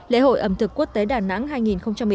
lễ hội ẩm thực quốc tế đà nẵng hai nghìn một mươi chín